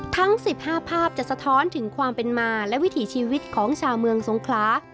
ทั้ง๑๕ภาพจะสะท้อนถึงความเป็นมาและวิถีชีวิตของชาวเมืองสงคลา